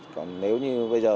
còn nếu như bây giờ